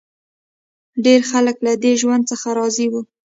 ډېری خلک له دې ژوند څخه راضي وو